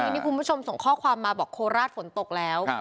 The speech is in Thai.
นี่คุณผู้ชมส่งข้อความมาบอกโคราชฝนตกแล้ว